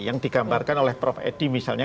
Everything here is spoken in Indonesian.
yang digambarkan oleh prof edi misalnya